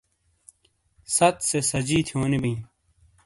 ست سے سجی تھیونی بئے